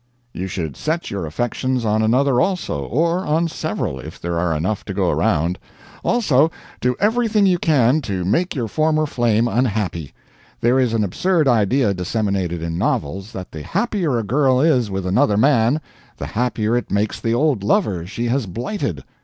You should set your affections on another also or on several, if there are enough to go round. Also, do everything you can to make your former flame unhappy. There is an absurd idea disseminated in novels, that the happier a girl is with another man, the happier it makes the old lover she has blighted.